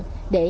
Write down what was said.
để đánh bắt tàu